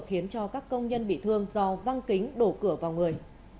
khiến cho các công nhân bị thương do văng kính đổ cửa vào người